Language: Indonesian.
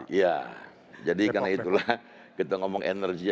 iya jadi karena itulah kita ngomong energi